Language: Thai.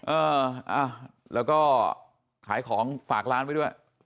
เออแล้วก็ขายของฝากร้านไว้ด้วย